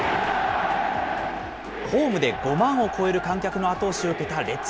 ホームで５万を超える観客の後押しを受けたレッズ。